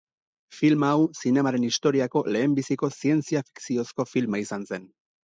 Filma hau zinemaren historiako lehenbiziko zientzia-fikziozko filma izan zen.